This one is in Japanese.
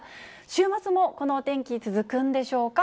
週末もこのお天気続くんでしょうか。